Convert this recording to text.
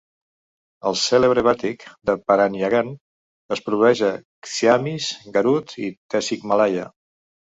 El cèlebre bàtik de Parahyangan es produeix a Ciamis, Garut i Tasikmalaya.